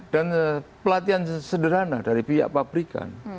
dan pelatihan sederhana dari pihak pabrikan